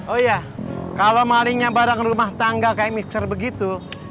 oh iya kalau malingnya barang rumah tangga kayak micher begitu